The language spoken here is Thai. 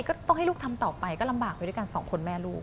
ก็ต้องให้ลูกทำต่อไปก็ลำบากไปด้วยกันสองคนแม่ลูก